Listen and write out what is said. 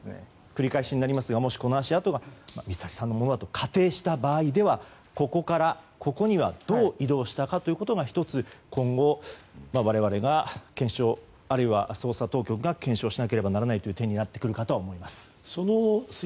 繰り返しになりますがもしこの足跡が美咲さんのものだと仮定した場合ではここからここにはどう移動したかということが１つ、今後捜査当局が検証しなければならない点になってくるかと思います。